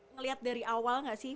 ngeliat dari awal gak sih